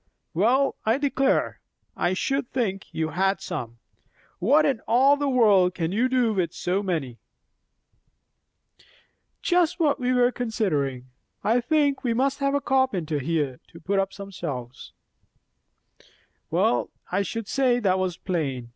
"Well, I declare! I should think you had some. What in all the world can you do with so many?" "Just what we were considering. I think we must have the carpenter here, to put up some shelves." "Well I should say that was plain.